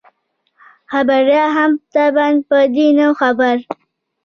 خبریال هم طبعاً په دې نه وو خبر.